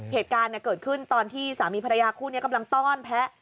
เหตุการณ์เกิดขึ้นตอนที่สามีภรรยาคู่นี้กำลังต้อนแพ้